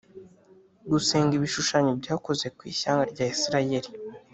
Gusenga ibishushanyo byakoze ku ishyanga rya Isirayeli